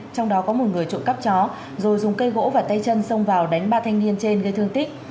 trong đó có một người trộm cắp chó rồi dùng cây gỗ và tay chân xông vào đánh ba thanh niên trên gây thương tích